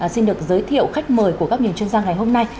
xin được giới thiệu khách mời của các miền chuyên gia ngày hôm nay